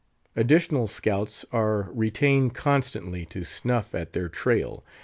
Additional scouts are retained constantly to snuff at their trail.